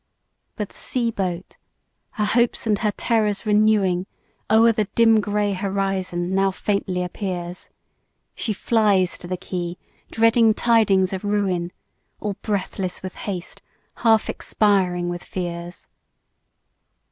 But the sea boat, her hopes and her terrors renewing, O'er the dim grey horizon now faintly appears; She flies to the quay, dreading tidings of ruin, All breathless with haste, half expiring with fears.